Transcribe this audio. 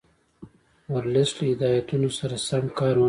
ورلسټ له هدایتونو سره سم کار ونه کړ.